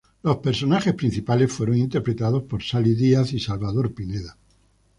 Los personajes principales fueron interpretados por Sully Díaz y Salvador Pineda.